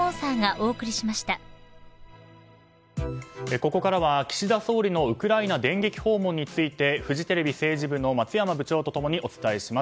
ここからは岸田総理のウクライナ電撃訪問についてフジテレビ政治部の松山部長と共にお伝えします。